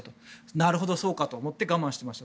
なるほど、そうかと思って我慢していました。